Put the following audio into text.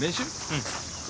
うん。